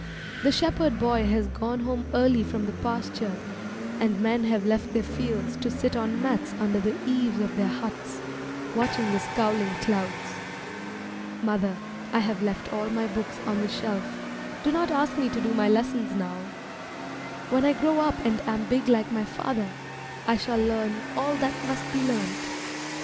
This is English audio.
The shepherd boy has gone home early from the pasture, and men have left their fields to sit on mats under the eaves of their huts, watching the scowling clouds. Mother, I have left all my books on the shelf do not ask me to do my lessons now. When I grow up and am big like my father, I shall learn all that must be learnt.